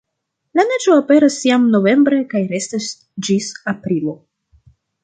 La neĝo aperas jam novembre kaj restas ĝis aprilo.